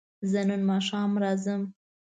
زه نن ماښام راځم